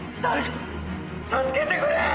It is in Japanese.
誰か助けてくれ！